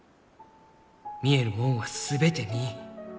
見えるもんは全て見い。